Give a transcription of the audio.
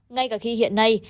ngay cả khi hiện nay